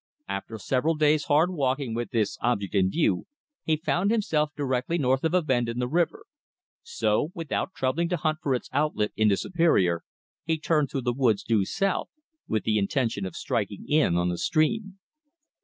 After several days' hard walking with this object in view, he found himself directly north of a bend in the river; so, without troubling to hunt for its outlet into Superior, he turned through the woods due south, with the intention of striking in on the stream.